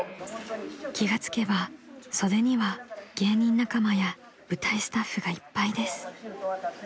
［気が付けば袖には芸人仲間や舞台スタッフがいっぱいです］